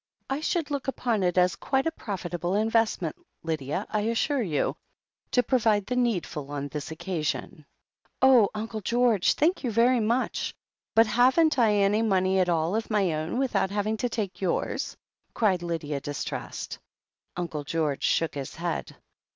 I should look upon it as 88 THE HEEL OF ACHILLES quite a profitable investment, Lydia, I assure you, to provide the needful on this occasion." "Oh, Uncle George — ^thank you very much. But haven't I any money at all of my own without having to take yours?" cried Lydia, distressed. Uncle George shook his head.